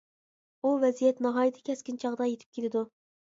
ئۇ ۋەزىيەت ناھايىتى كەسكىن چاغدا يىتىپ كېلىدۇ.